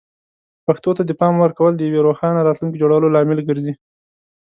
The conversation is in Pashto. پښتو ته د پام ورکول د یوې روښانه راتلونکې جوړولو لامل ګرځي.